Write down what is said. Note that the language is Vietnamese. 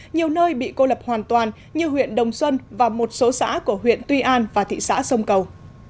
nhiều nơi bị cô lập hoàn toàn như huyện đồng xuân và một số xã của huyện tuy an và thị xã sông cầu